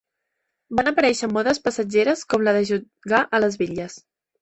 Van aparèixer modes passatgeres com la de jugar a les bitlles.